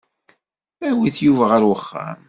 Awit Yuba ɣer uxxam.